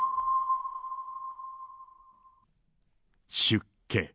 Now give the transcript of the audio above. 出家。